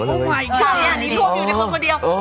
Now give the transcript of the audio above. อันนี้โดมอยู่ในคนคนเดียว